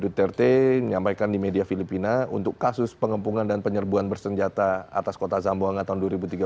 duterte menyampaikan di media filipina untuk kasus pengepungan dan penyerbuan bersenjata atas kota zamboanga tahun dua ribu tiga belas